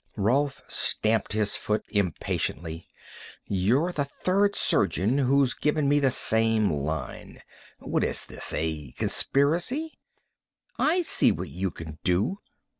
Rolf stamped his foot impatiently. "You're the third surgeon who's given me the same line. What is this a conspiracy? I see what you can do.